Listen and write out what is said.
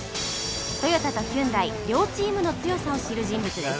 トヨタとヒュンダイ両チームの強さを知る人物です